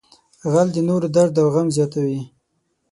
غل د نورو درد او غم زیاتوي